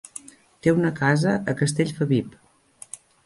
Té una casa a Castellfabib.